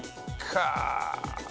かあ！